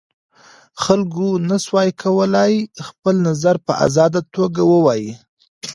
خلګو نسوای کولای خپل نظر په ازاده توګه ووایي.